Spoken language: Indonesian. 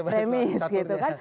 remis gitu kan